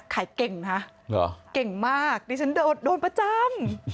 เก่งนะเก่งมากดิฉันโดนประจำ